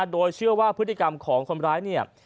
โดยเชื่อว่าพฤติกรรมของคนร้ายเนี่ย